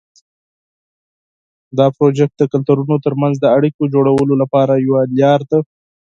دا پروژه د کلتورونو ترمنځ د اړیکو جوړولو لپاره یوه لاره ده.